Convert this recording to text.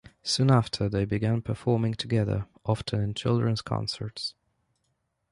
Soon after, they began performing together, often in children's concerts.